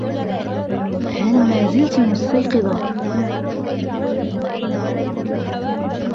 هل مازلتِ مُستيقظة ؟